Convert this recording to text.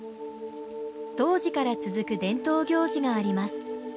当時から続く伝統行事があります。